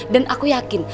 dan aku yakin